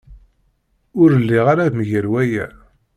Ur lliɣ ara mgal waya.